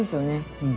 うん。